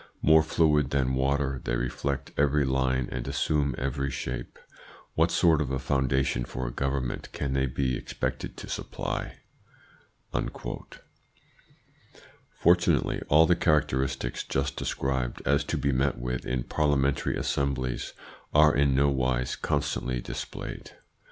More fluid than water they reflect every line and assume every shape. What sort of a foundation for a government can they be expected to supply?" Fortunately all the characteristics just described as to be met with in parliamentary assemblies are in no wise constantly displayed.